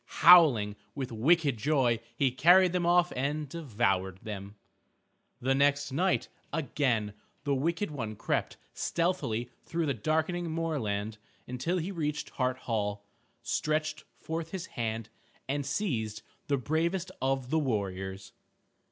Howling with wicked joy he carried them off and devoured them. The next night, again the wicked one crept stealthily through the darkening moorland until he reached Hart Hall, stretched forth his hand, and seized the bravest of the warriors.